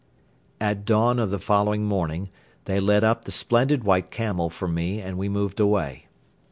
At dawn of the following morning they led up the splendid white camel for me and we moved away.